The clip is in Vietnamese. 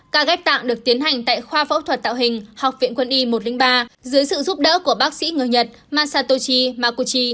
ca ghép tạng được tiến hành tại khoa phẫu thuật tạo hình học viện quân y một trăm linh ba dưới sự giúp đỡ của bác sĩ người nhật mansatochi makuchi